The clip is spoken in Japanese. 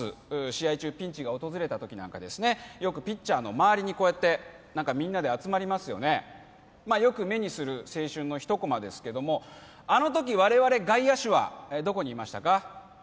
試合中ピンチが訪れた時なんかですねよくピッチャーのまわりにこうやってみんなで集まりますよねよく目にする青春の一コマですけどもあの時我々外野手はどこにいましたか